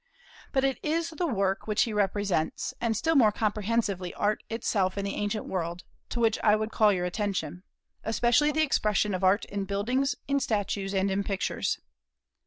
But it is the work which he represents and still more comprehensively Art itself in the ancient world to which I would call your attention, especially the expression of Art in buildings, in statues, and in pictures.